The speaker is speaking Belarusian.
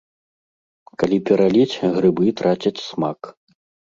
Калі пераліць, грыбы трацяць смак.